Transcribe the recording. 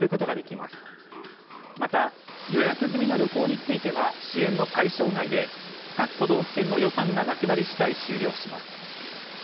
また、予約済みの旅行については支援の対象外で各都道府県の予算がなくなり次第終了します。